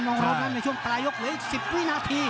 นั่นช่วงปลายยกเดี๋ยวอีก๑๐วินาที